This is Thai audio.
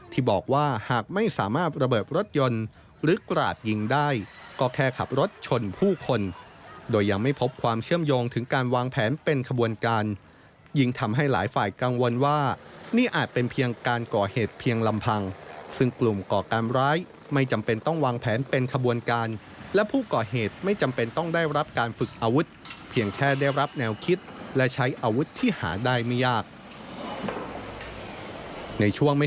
ที่บอกว่าหากไม่สามารถระเบิดรถยนต์หรือกราดยิงได้ก็แค่ขับรถชนผู้คนโดยยังไม่พบความเชื่อมโยงถึงการวางแผนเป็นขบวนการยิ่งทำให้หลายฝ่ายกังวลว่านี่อาจเป็นเพียงการก่อเหตุเพียงลำพังซึ่งกลุ่มก่อการร้ายไม่จำเป็นต้องวางแผนเป็นขบวนการและผู้ก่อเหตุไม่จำเป็นต้องได้รับการฝึกอาวุธเพียงแค่ได้รับแนวคิดและใช้อาวุธที่หาได้ไม่ยากในช่วงไม่